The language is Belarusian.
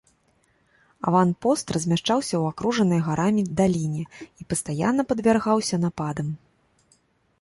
Аванпост размяшчаўся ў акружанай гарамі даліне і пастаянна падвяргаўся нападам.